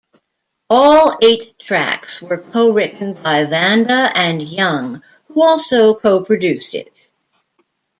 All eight tracks were co-written by Vanda and Young, who also co-produced it.